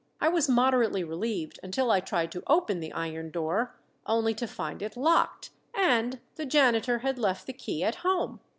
I was moderately relieved until I tried to open the iron door, only to find it locked _and the janitor had left the key at home!